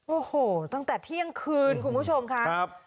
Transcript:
โอ้โหตั้งแต่เที่ยงคืนคุณผู้ชมค่ะ